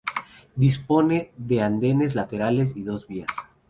Dispone de dos andenes laterales y dos vías.